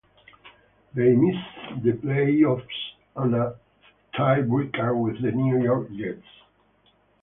They missed the playoffs on a tiebreaker with the New York Jets.